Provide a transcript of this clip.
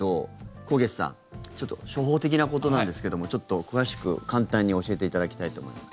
纐纈さん、ちょっと初歩的なことなんですけども詳しく簡単に教えていただきたいと思います。